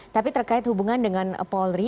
tapi terkait hubungan dengan paul ri